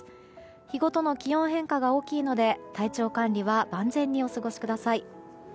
日ごとの気温変化が大きいので体調管理は万全にお過ごしください。